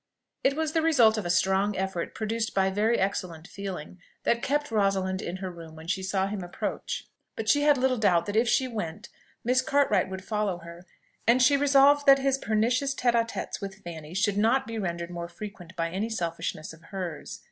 It was the result of a strong effort produced by very excellent feeling, that kept Rosalind in the room when she saw him approach; but she had little doubt that if she went, Miss Cartwright would follow her, and she resolved that his pernicious tête à têtes with Fanny should not be rendered more frequent by any selfishness of hers.